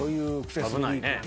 危ないね。